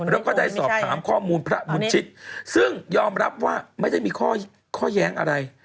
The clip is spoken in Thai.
แล้วก็ได้สอบถามข้อมูลพระบุญชิตซึ่งยอมรับว่าไม่ได้มีข้อแย้งอะไร